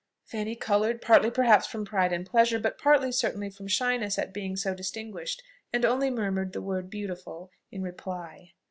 Fanny coloured, partly perhaps from pride and pleasure; but partly, certainly, from shyness at being so distinguished, and only murmured the word "Beautiful!" in reply.